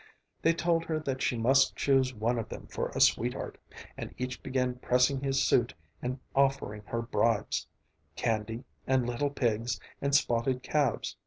They told her that she must choose one of them for a sweetheart, and each began pressing his suit and offering her bribes; candy, and little pigs, and spotted calves.